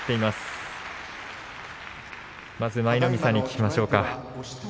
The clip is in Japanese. まず舞の海さんに聞きましょう。